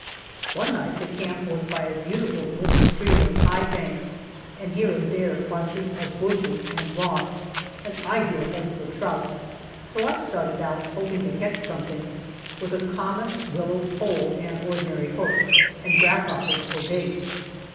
One night the camp was by a beautiful little stream with high banks, and here and there bunches of bushes and rocks an ideal home for trout, so I started out, hoping to catch something with a common willow pole and ordinary hook, and grasshoppers for bait.